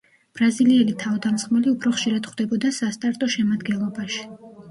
ბრაზილიელი თავდამსხმელი უფრო ხშირად ხვდებოდა სასტარტო შემადგენლობაში.